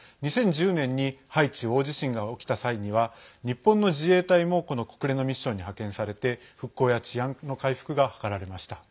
２０１０年にハイチ大地震が起きた際には日本の自衛隊もこの国連のミッションに派遣されて復興や治安の回復が図られました。